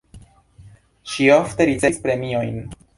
Ŝi ofte ricevis premiojn.